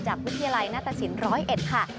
จากวิทยาลัยนาศสิน๑๐๑ค่ะ